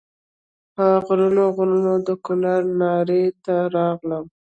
په غرونو غرونو د کونړ ناړۍ ته راغلم.